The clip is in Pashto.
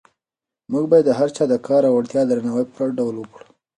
موږ باید د هر چا د کار او وړتیا درناوی په پوره ډول وکړو.